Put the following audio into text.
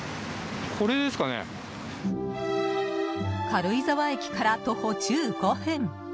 軽井沢駅から徒歩１５分。